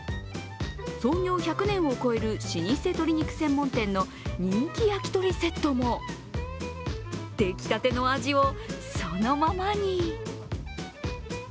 創業１００年を超える老舗鶏肉専門店の人気焼き肉セットも出来たての味をそのままに。